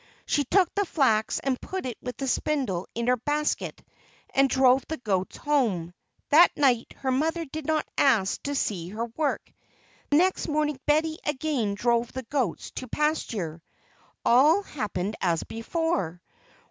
She took the flax and put it with the spindle into her basket, and drove the goats home. That night her mother did not ask to see her work. Next morning Betty again drove the goats to pasture. All happened as before.